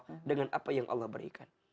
dan sepertinya yang yang yang allah berikan